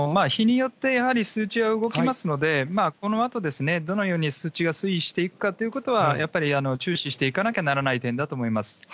日によって、やはり数値は動きますので、このあとどのように数値が推移していくかということは、やっぱり注視していかなきゃならない点だと思います。